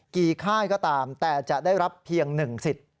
ค่ายก็ตามแต่จะได้รับเพียง๑สิทธิ์